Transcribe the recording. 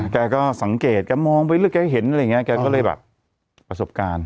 แกก็สังเกตแกมองไปหรือแกเห็นอะไรอย่างเงี้แกก็เลยแบบประสบการณ์